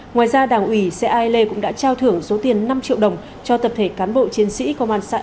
ngoài ra đảng ủy xe ale cũng đã trao thưởng số tiền năm triệu đồng cho tập thể cán bộ chiến sĩ công an xã ale